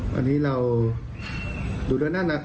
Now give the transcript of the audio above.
วันนี้เราดูด้วยหน้านัก